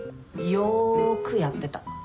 よくやってた。